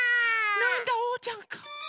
なんだおうちゃんか。